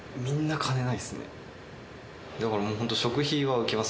だからもうホント。